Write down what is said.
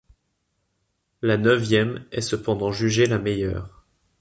La neuvième est cependant jugée la meilleure.